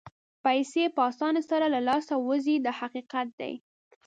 پیسې په اسانۍ سره له لاسه وځي دا حقیقت دی.